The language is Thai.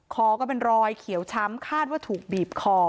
ก็เป็นรอยเขียวช้ำคาดว่าถูกบีบคอ